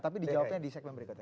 tapi dijawabnya di segmen berikutnya